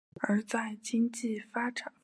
而在经济发展方面。